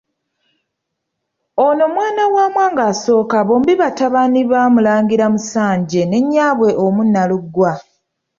Ono mwana wa Mwanga I bombi batabani ba Mulangira Musanje ne nnyaabwe omu Nnalugwa.